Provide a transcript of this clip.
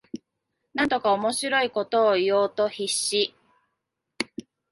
なんとか面白いことを言おうと必死